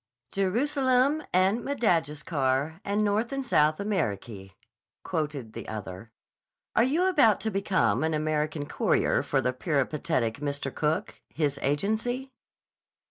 "Jerusalem and Madagascar And North and South Amerikee," quoted the other. "Are you about to become an American courier for the peripatetic Mr. Cook, his agency?"